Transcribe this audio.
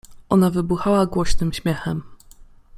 Ona wybuchała głoś nym śmiechem.